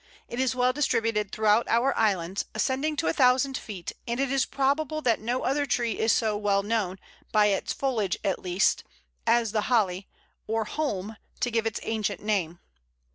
It is well distributed throughout our islands, ascending to a thousand feet, and it is probable that no other tree is so well known, by its foliage at least, as the Holly, or Holm, to give it its ancient name.